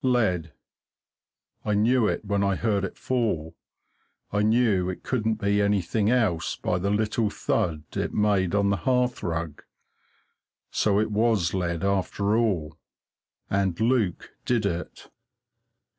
Lead! I knew it when I heard it fall. I knew it couldn't be anything else by the little thud it made on the hearth rug. So it was lead after all, and Luke did it.